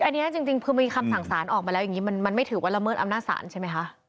อันนี้จริงคือมีคำสั่งสารออกมาแล้วอย่างนี้มันไม่ถือว่าละเมิดอำนาจศาลใช่ไหมคะ